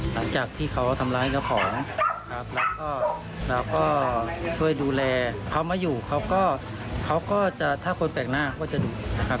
หลังจากที่เขาทำร้ายเจ้าของเราก็ช่วยดูแลเขามาอยู่เขาก็จะถ้าคนแปลกหน้าก็จะดุนะครับ